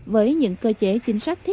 với những cơ chế chính sách thiết